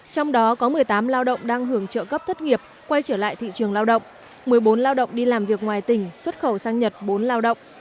trong đó có một mươi tám lao động đang hưởng trợ cấp thất nghiệp quay trở lại thị trường lao động một mươi bốn lao động đi làm việc ngoài tỉnh xuất khẩu sang nhật bốn lao động